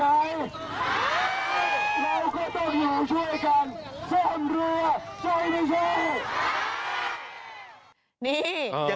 เราก็ต้องอยู่ช่วยกันส้มเรือช่วยไม่ช่วย